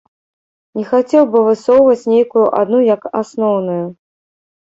Не хацеў бы высоўваць нейкую адну як асноўную.